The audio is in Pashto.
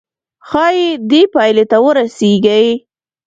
ښايي دې پايلې ته ورسيږئ.